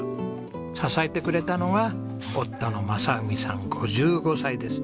支えてくれたのは夫の正文さん５５歳です。